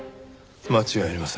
間違いありません。